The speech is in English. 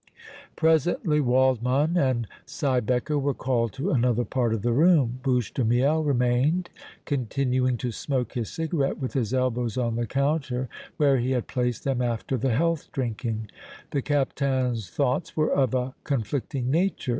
Presently Waldmann and Siebecker were called to another part of the room. Bouche de Miel remained, continuing to smoke his cigarette, with his elbows on the counter where he had placed them after the health drinking. The Captain's thoughts were of a conflicting nature.